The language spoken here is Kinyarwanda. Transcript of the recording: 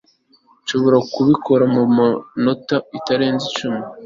nshobora kubikora mu minota itarenze icumi